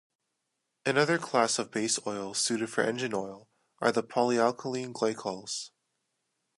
Another class of base oils suited for engine oil are the polyalkylene glycols.